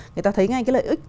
người ta thấy ngay cái lợi ích